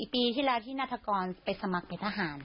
ปีที่แล้วที่นัฐกรไปสมัครเป็นทหาร